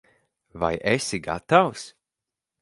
Vai esi gatavs?